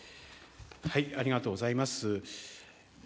ありがとうございます。